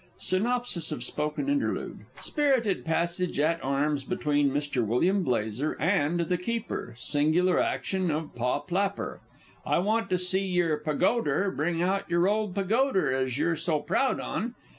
[Synopsis of spoken Interlude: Spirited passage at arms between Mr. Wm. Blazer and the Keeper; singular action of Pa Plapper; _"I want to see yer Pagoder bring out yer old Pagoder as you're so proud on!"